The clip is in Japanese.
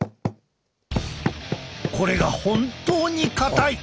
これが本当に硬い！